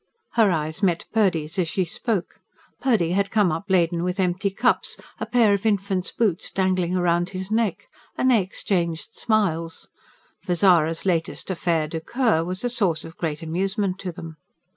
Her eyes met Purdy's as she spoke Purdy had come up laden with empty cups, a pair of infants' boots dangling round his neck and they exchanged smiles; for Zara's latest AFFAIRE DU COEUR was a source of great amusement to them.